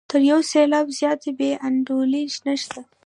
تر یو سېلاب زیاته بې انډولي نشته.